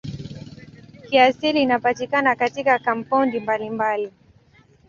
Kiasili inapatikana katika kampaundi mbalimbali.